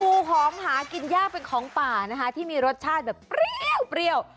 กูหอมหากินยากเป็นของป่านะฮะที่มีรสชาติแบบเปรี้ยวเปรี้ยว